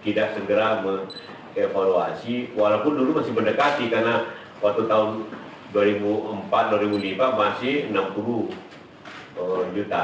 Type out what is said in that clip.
tidak segera mengevaluasi walaupun dulu masih mendekati karena waktu tahun dua ribu empat dua ribu lima masih enam puluh juta